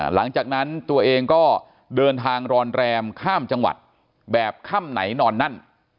หลังจากนั้นตัวเองก็เดินทางรอนแรมข้ามจังหวัดแบบค่ำไหนนอนนั่น